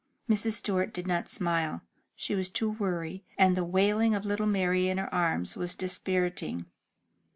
'' Mrs. Stewart did not smile. She was too weary, and the wailing of little Mary in her arms was dispiriting.